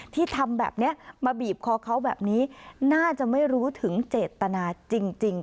ที่ทำแบบนี้มาบีบคอเขาแบบนี้น่าจะไม่รู้ถึงเจตนาจริง